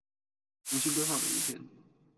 重新規劃每一天